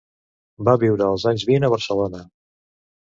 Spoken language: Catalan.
Va viure als anys vint a Barcelona.